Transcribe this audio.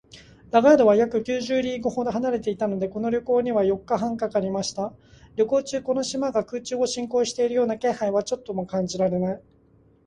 ラガードは約九十リーグほど離れていたので、この旅行には四日半かかりました。旅行中、この島が空中を進行しているような気配はちょっとも感じられない